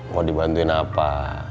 mau dibantuin apa